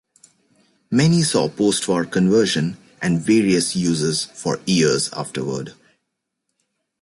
Many saw postwar conversion and various uses for years afterward.